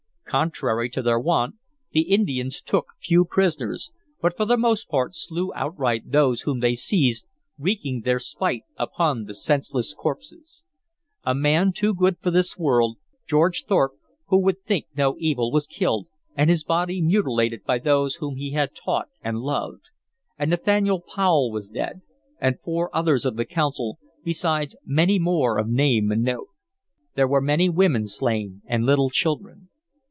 Contrary to their wont, the Indians took few prisoners, but for the most part slew outright those whom they seized, wreaking their spite upon the senseless corpses. A man too good for this world, George Thorpe, who would think no evil, was killed and his body mutilated by those whom he had taught and loved. And Nathaniel Powel was dead, and four others of the Council, besides many more of name and note. There were many women slain and little children.